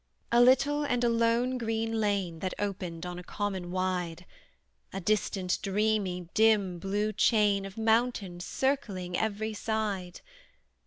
A little and a lone green lane That opened on a common wide; A distant, dreamy, dim blue chain Of mountains circling every side.